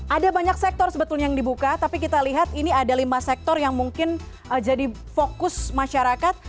ada banyak sektor sebetulnya yang dibuka tapi kita lihat ini ada lima sektor yang mungkin jadi fokus masyarakat